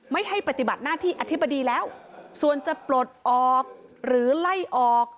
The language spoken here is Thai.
ไม่ให้ปฏิบัติหน้าที่อธิบดีแล้วส่วนจะปลดออกหรือไล่ออก